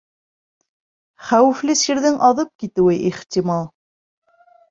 Хәүефле сирҙең аҙып китеүе ихтимал.